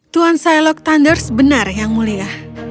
tuan cylog thunders benar yang mulia